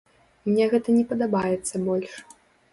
Мне гэта не падабаецца больш.